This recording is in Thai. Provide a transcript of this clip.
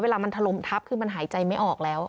เวลามันถล่มทับคือมันหายใจไม่ออกแล้ว